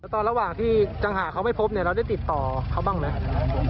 ตอนระหว่างที่ยังหาเขาไม่พบเนี่ยเราได้ติดต่อเขาบ้างไหม